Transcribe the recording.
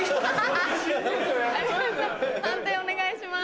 判定お願いします。